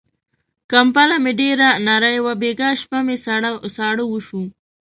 کمپله مې ډېره نری وه، بيګاه شپه مې ساړه وشو.